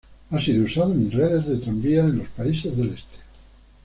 Ha sido usado en redes de tranvías de los Países del Este.